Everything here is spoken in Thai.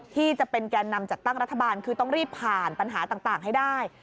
ที่จะเป็นแก่นำจัดตั้งรัฐบาลคือต้องรีบผ่านปัญหาต่างให้ได้